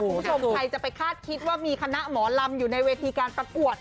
คุณผู้ชมใครจะไปคาดคิดว่ามีคณะหมอลำอยู่ในเวทีการประกวด